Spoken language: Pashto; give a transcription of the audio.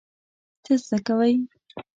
څه زده کوئ؟